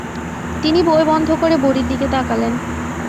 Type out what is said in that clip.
তিনি বই বন্ধ করে বুড়ির দিকে তাকালেন।